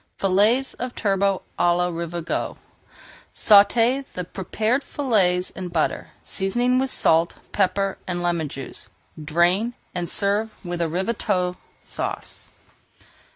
FILLETS OF TURBOT À LA RAVIGOTE Sauté the prepared fillets in butter, seasoning with salt, pepper, and lemon juice. Drain, and serve with Ravigote Sauce.